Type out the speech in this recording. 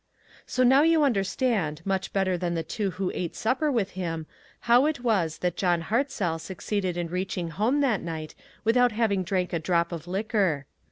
So now you understand, much better than the two who ate supper with him, how it was that John Hartzell succeeded in reach ing home that night without having drank a drop of liquor.